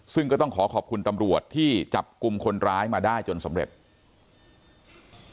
ซึ่งก็ต้องขอขอบคุณตำรวจที่จับกลุ่มคนร้ายมาได้จนสำเร็จ